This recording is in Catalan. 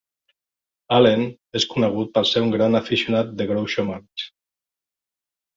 Allen és conegut per ser un gran aficionat de Groucho Marx.